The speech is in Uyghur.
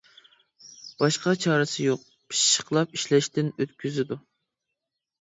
باشقا چارىسى يوق، پىششىقلاپ ئىشلەشتىن ئۆتكۈزىدۇ.